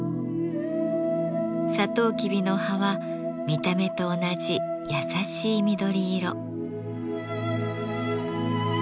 サトウキビの葉は見た目と同じ優しい緑色。